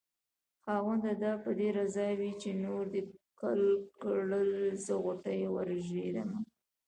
خاونده دا به دې رضا وي چې نور دې ګل کړل زه غوټۍ ورژېدمه